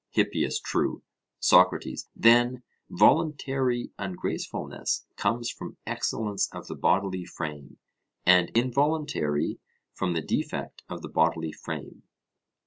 HIPPIAS: True. SOCRATES: Then voluntary ungracefulness comes from excellence of the bodily frame, and involuntary from the defect of the bodily frame?